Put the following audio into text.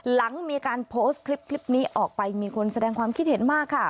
หลังมีการโพสต์คลิปนี้ออกไปมีคนแสดงความคิดเห็นมากค่ะ